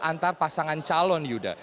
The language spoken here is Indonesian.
antar pasangan calon yuda